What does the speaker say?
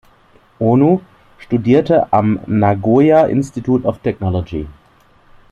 Ōno studierte am Nagoya Institute of Technology.